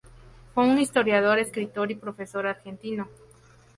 Fue un historiador, escritor y profesor argentino.